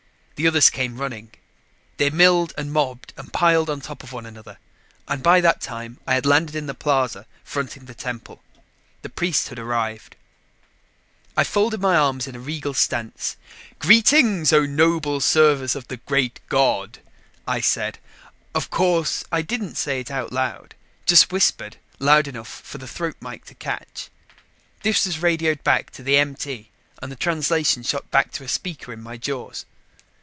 The others came running. They milled and mobbed and piled on top of one another, and by that time I had landed in the plaza fronting the temple. The priesthood arrived. I folded my arms in a regal stance. "Greetings, O noble servers of the Great God," I said. Of course I didn't say it out loud, just whispered loud enough for the throat mike to catch. This was radioed back to the MT and the translation shot back to a speaker in my jaws.